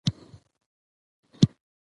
طبیعت د انسان اړتیاوې پوره کوي